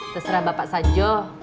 terserah pak haji